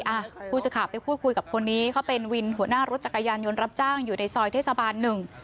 อ่ะผู้สื่อข่าวไปพูดคุยกับคนนี้เขาเป็นวินหัวหน้ารถจักรยานยนต์รับจ้างอยู่ในซอยเทศบาลหนึ่ง